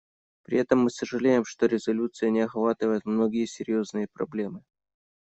При этом мы сожалеем, что резолюция не охватывает многие серьезные проблемы.